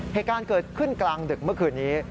เหตุการณ์เกิดขึ้นกลางดึกเมื่อคืนนี้